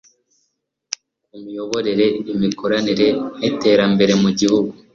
ku imiyoborere, imikoranire n'iterambere mu gihugu